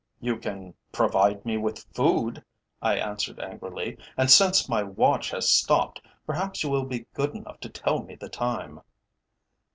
"You can provide me with food," I answered angrily; "and, since my watch has stopped, perhaps you will be good enough to tell me the time."